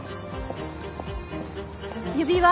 指輪。